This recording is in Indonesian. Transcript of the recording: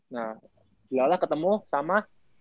nah gilalah ketemu sama